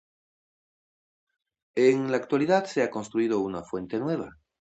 En la actualidad se ha construido una fuente nueva.